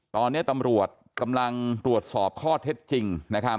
ตอนนี้ตำรวจกำลังตรวจสอบข้อเท็จจริงนะครับ